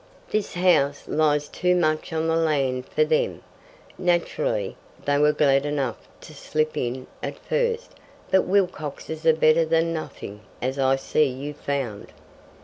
"This house lies too much on the land for them. Naturally, they were glad enough to slip in at first. But Wilcoxes are better than nothing, as I see you've found."